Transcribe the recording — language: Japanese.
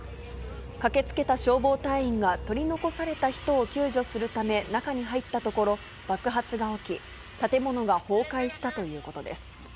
駆けつけた消防隊員が取り残された人を救助するため中に入ったところ、爆発が起き、建物が崩壊したということです。